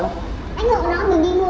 tiếng tiền nó ở những lần chiếu về sau